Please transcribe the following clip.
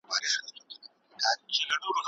هغه مین دی پر لمبو شمع په خوب کي ویني